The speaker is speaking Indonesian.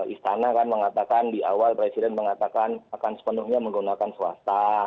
istana kan mengatakan di awal presiden mengatakan akan sepenuhnya menggunakan swasta